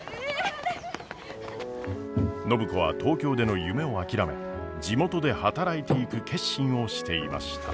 暢子は東京での夢を諦め地元で働いていく決心をしていました。